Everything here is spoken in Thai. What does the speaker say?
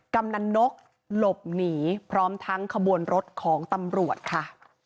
กำนันนกหลบหนีพร้อมทั้งขบวนรถของตำรวจค่ะ